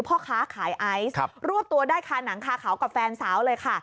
พ่อค้าขายไอซ์รวบตัวได้คาหนังคาเขากับแฟนสาวเลยค่ะ